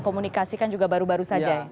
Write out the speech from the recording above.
komunikasi kan juga baru baru saja ya